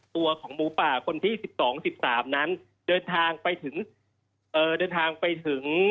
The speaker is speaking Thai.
ตัวของหมูป่าคนที่สิบสองสิบสามนั้นเดินทางไปถึงเอ่อเดินทางไปถึง